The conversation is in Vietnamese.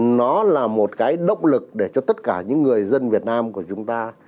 nó là một cái động lực để cho tất cả những người dân việt nam của chúng ta